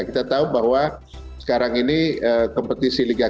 kita tahu bahwa sekarang ini kompetisi liga satu